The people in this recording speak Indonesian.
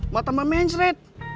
mata mah mencret